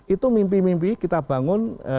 itu mimpi mimpi kita bangun